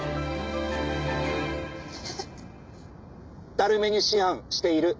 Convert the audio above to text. だるめに思案している。